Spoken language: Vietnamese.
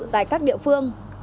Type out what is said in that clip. tại các địa phương